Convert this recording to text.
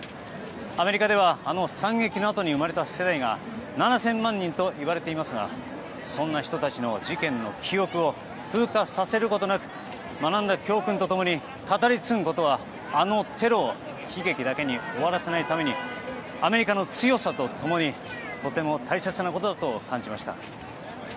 アメリカではあの惨劇のあとに生まれた世代が７０００万人といわれていますがそんな人たちの事件の記憶を風化させることなく学んだ教訓と共に語り継ぐことがあのテロを悲劇だけに終わらせないためにアメリカの強さと共にとても大切なことだと感じました。